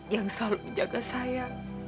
yang selalu menjaga saya